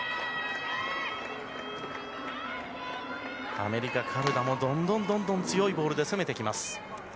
アメリカ、カルダもどんどん強いボールで攻めてきます。